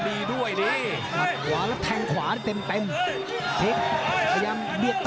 นี่นะครับเปเปเล็กเดินต่อ